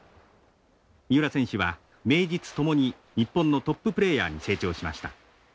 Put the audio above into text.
三浦選手は名実ともに日本のトッププレーヤーに成長しました。